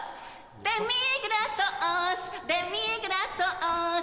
デミグラスソースデミグラスソース